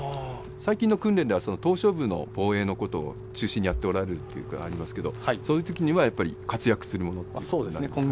最近の訓練では、その島しょ部の防衛のことを中心にやっておられるとありますけど、そういうときには、やっぱり活躍するものっていうことなんですね